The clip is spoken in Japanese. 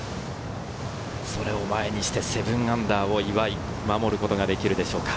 それを前にして、−７を守ることができるでしょうか？